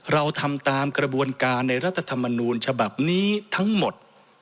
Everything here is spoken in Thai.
เราทำตามกระบวนการในรัฐธรรมนูญฉบับนี้ทั้งหมด